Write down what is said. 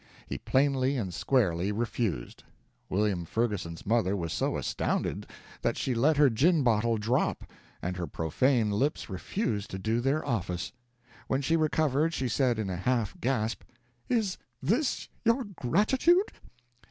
He plainly and squarely refused. William Ferguson's mother was so astounded that she let her gin bottle drop, and her profane lips refused to do their office. When she recovered she said in a half gasp, "Is this your gratitude?